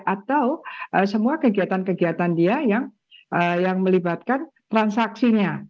atau semua kegiatan kegiatan dia yang melibatkan transaksinya